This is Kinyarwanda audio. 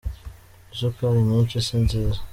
isukari nyinshi si nziza